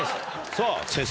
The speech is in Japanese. さぁ先生